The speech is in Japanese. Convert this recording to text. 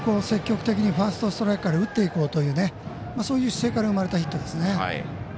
積極的にファーストストライクから打っていこうという姿勢から生まれたヒットですね。